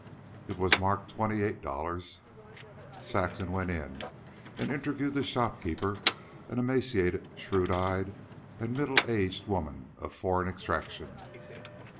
It was marked twenty eight dollars. Saxon went in and interviewed the shopkeeper, an emaciated, shrewd eyed and middle aged woman of foreign extraction.